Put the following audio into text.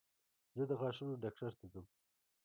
زه د غاښونو ډاکټر ته ځم.